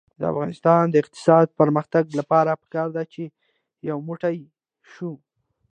د افغانستان د اقتصادي پرمختګ لپاره پکار ده چې یو موټی شو.